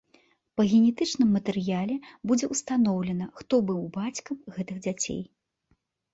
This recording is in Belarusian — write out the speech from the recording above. Па генетычным матэрыяле будзе ўстаноўлена, хто быў бацькам гэтых дзяцей.